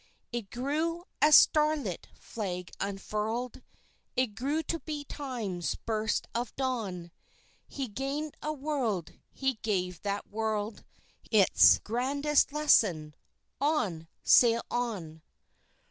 It grew, a starlit Flag unfurled! It grew to be Time's burst of dawn. He gained a World, he gave that World Its grandest lesson "On! Sail on!"